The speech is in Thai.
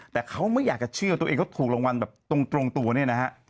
แต่เขาไม่อยากจะเชื่อตัวเองเขาถูกรางวัลแบบตรงตัวเนี่ยนะฮะ